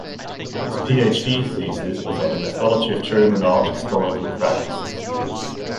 His PhD thesis was on the methodology of German art historical practices.